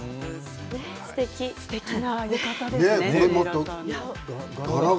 すてきな浴衣ですね。